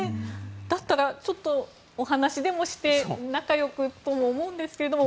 だったら、ちょっとお話でもして仲良くとも思うんですけども。